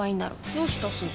どうしたすず？